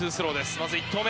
まず１投目。